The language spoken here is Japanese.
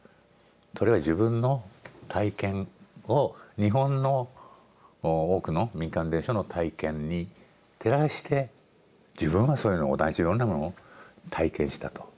それは自分の体験を日本の多くの民間伝承の体験に照らして自分はそういうの同じようなものを体験したと。